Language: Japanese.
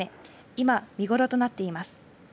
今、見頃となっています。